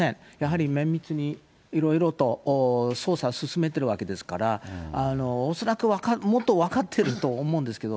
やはり綿密にいろいろと捜査進めてるわけですから、恐らくもっと分かってると思うんですけど、